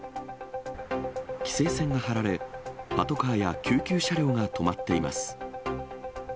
規制線が張られ、パトカーや救急車両が止まっています。